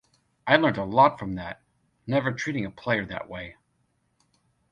I learned a lot from that, never treating a player that way.